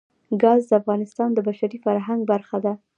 ګاز د افغانستان د بشري فرهنګ برخه ده.